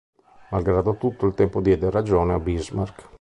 Malgrado tutto, il tempo diede ragione a Bismarck.